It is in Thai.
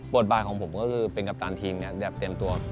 บายของผมก็คือเป็นกัปตันทีมแบบเต็มตัว